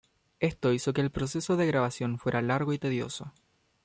Esto hizo que el proceso de grabación fuera largo y tedioso.